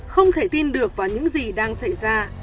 không thể tin được vào những gì đang xảy ra